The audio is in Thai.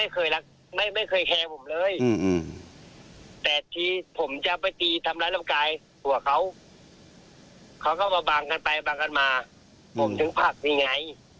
เขาก็บางกันไปบางกันมาผมถึงผลักที่ไหน